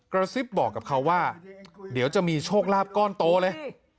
กระซิบบอกกับเขาว่าเดี๋ยวจะมีโชคลาภก้อนโตเลย